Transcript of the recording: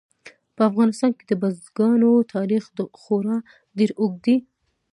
په افغانستان کې د بزګانو تاریخ خورا ډېر اوږد دی.